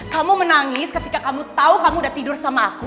kamu menangis ketika kamu tahu kamu udah tidur sama aku